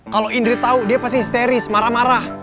kalo indri tau dia pasti histeris marah marah